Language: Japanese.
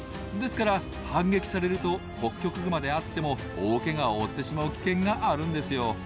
ですから反撃されるとホッキョクグマであっても大ケガを負ってしまう危険があるんですよ。